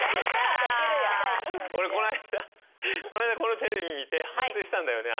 俺こないだこのテレビ見て反省したんだよね。